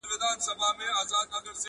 له مُسکۍ ښکلي مي خولګۍ غوښته!.